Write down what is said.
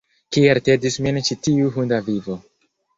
Kiel tedis min ĉi tiu hunda vivo!